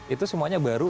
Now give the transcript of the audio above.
itu semuanya baru